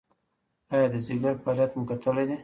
ایا د ځیګر فعالیت مو کتلی دی؟